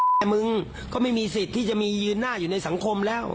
แต่มึงก็ไม่มีสิทธิ์ที่จะมียืนหน้าอยู่ในสังคมแล้ว